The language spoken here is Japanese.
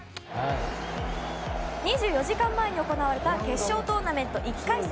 ２４時間前に行われた決勝トーナメント１回戦